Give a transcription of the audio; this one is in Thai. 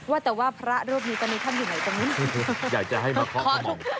ว่าแต่ว่าพระรอบนี้ตัวนี้ทำอยู่ไหนตรงนั้น